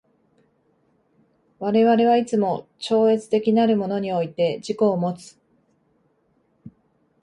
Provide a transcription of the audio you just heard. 我々はいつも超越的なるものにおいて自己をもつ。